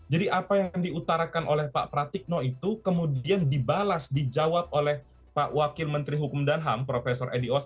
jadi apa yang diutarakan oleh pak pratikno itu kemudian dibalas dijawab oleh pak wakil menteri hukum dan ham profesor eddie owos